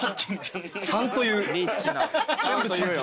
ちゃんと言うよ。